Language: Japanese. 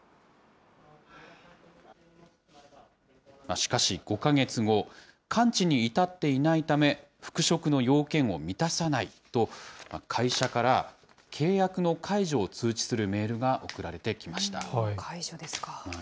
しかし５か月後、完治に至っていないため、復職の要件を満たさないと、会社から契約の解除を通知するメールが送られてきました。